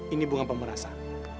ini bukan pemerasaan